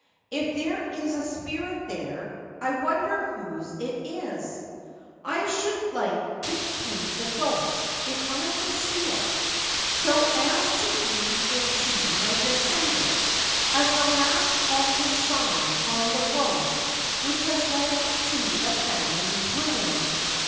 If there is a spirit there, I wonder whose it is ? I should like to paint the ghost if I could see it, so as to leave it to my descendants as the last ominous sign on the road which has led to the family's ruin.